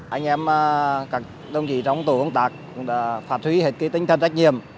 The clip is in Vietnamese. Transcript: anh em các đồng chí trong tổ công tác cũng đã phạt huy hết cái tinh thần trách nhiệm